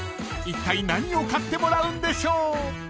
［いったい何を買ってもらうんでしょう？］